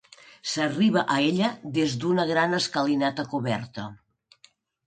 S'arriba a ella des d'una gran escalinata coberta.